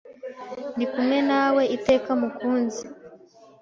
Ndi kumwe nawe iteka mukunzi